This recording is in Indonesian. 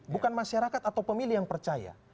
bukan masyarakat atau pemilih yang percaya